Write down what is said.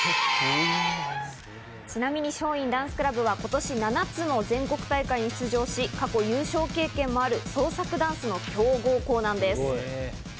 ちなみに樟蔭ダンスクラブは今年７つの全国大会に出場し、過去に優勝経験もある創作ダンスの強豪校です。